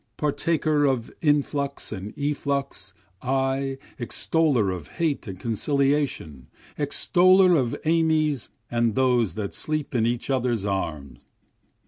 Partaker of influx and efflux I, extoller of hate and conciliation, Extoller of amies and those that sleep in each others' arms.